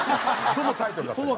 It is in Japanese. どのタイトルだったか。